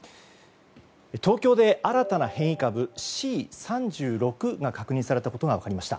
東京で新たな変異株、Ｃ３６が確認されたことが分かりました。